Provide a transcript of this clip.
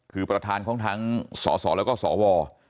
คือประธานของทั้งสสแล้วก็สว